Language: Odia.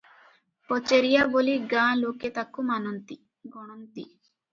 କଚେରିଆ ବୋଲି ଗାଁ ଲୋକେ ତାକୁ ମାନନ୍ତି, ଗଣନ୍ତି ।